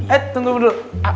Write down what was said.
eh tunggu dulu